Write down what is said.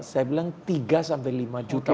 saya bilang tiga sampai lima juta